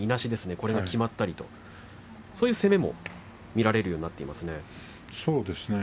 これがきまったりそういう攻めも見られるようになっていますね。